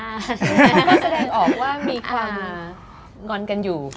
ก็แสดงออกว่ามีความงอนกันอยู่